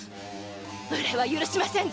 無礼は許しません！